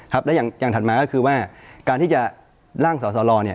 และอย่างถัดมาก็คือว่าการที่จะล่างสอสอรอเนี่ย